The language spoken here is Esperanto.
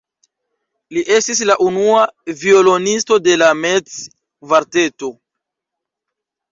Li estis la unua violonisto de la Metz-kvarteto.